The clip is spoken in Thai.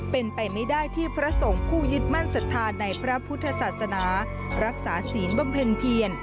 เป็นไปไม่ได้ที่พระสงฆ์ผู้ยึดมั่นสัทธาในพระพุทธศาสนารักษาศีลบำเพ็ญเพียร